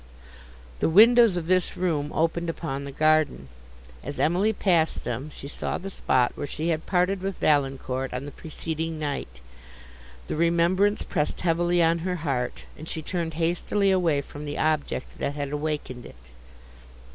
The windows of this room opened upon the garden. As Emily passed them, she saw the spot where she had parted with Valancourt on the preceding night: the remembrance pressed heavily on her heart, and she turned hastily away from the object that had awakened it.